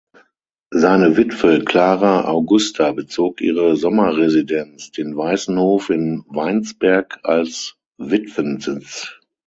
Seine Witwe Clara Augusta bezog ihre Sommerresidenz, den Weißenhof in Weinsberg, als Witwensitz.